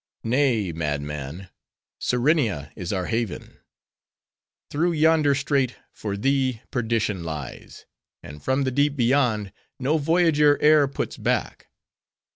"Nay, madman! Serenia is our haven. Through yonder strait, for thee, perdition lies. And from the deep beyond, no voyager e'er puts back."